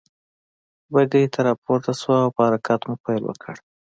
بګۍ ته را پورته شوه او په حرکت مو پيل وکړ.